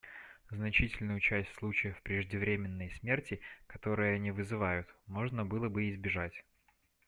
Значительную часть случаев преждевременной смерти, которые они вызывают, можно было бы избежать.